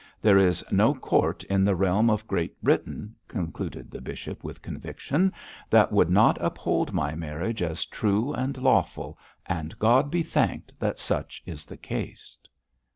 There is no court in the realm of Great Britain,' concluded the bishop, with conviction, 'that would not uphold my marriage as true and lawful, and God be thanked that such is the case!'